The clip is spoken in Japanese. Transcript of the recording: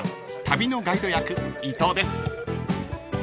旅のガイド役伊藤です］